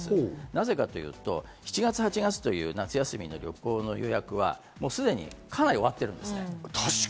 なぜかというと７月、８月という夏休みの旅行の予約はすでにかなり終わってるんです。